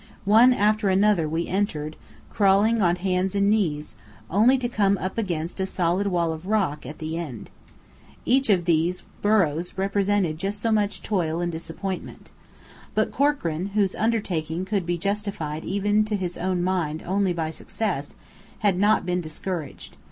One after another we entered, crawling on hands and knees, only to come up against a solid wall of rock at the end. Each of these burrows represented just so much toil and disappointment. But Corkran, whose undertaking could be justified even to his own mind only by success, had not been discouraged.